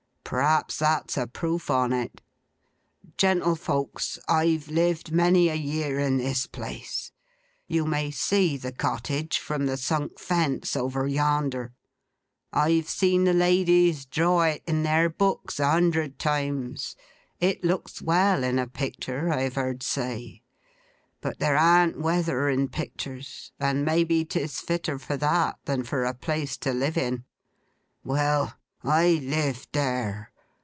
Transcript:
Perhaps that's a proof on it. Gentlefolks, I've lived many a year in this place. You may see the cottage from the sunk fence over yonder. I've seen the ladies draw it in their books, a hundred times. It looks well in a picter, I've heerd say; but there an't weather in picters, and maybe 'tis fitter for that, than for a place to live in. Well! I lived there.